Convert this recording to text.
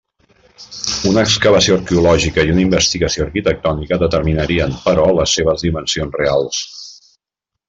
Una excavació arqueològica i una investigació arquitectònica, determinarien, però, les seves dimensions reals.